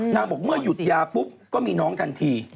บอกเมื่อหยุดยาปุ๊บก็มีน้องทันที